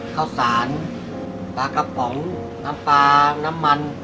ข้าวสารปลากระป๋องน้ำปลาน้ำมัน